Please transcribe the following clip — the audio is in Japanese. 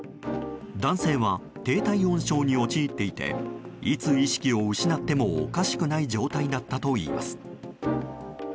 男性は低体温症に陥っていていつ意識を失ってもおかしくない状態だったといいます。